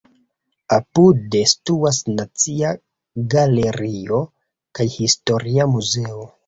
Apude situas Nacia Galerio kaj Historia Muzeo.